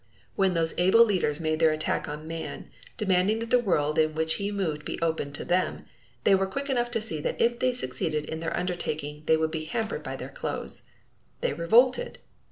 When those able leaders made their attack on man, demanding that the world in which he moved be opened to them, they were quick enough to see that if they succeeded in their undertaking they would be hampered by their clothes. They revolted!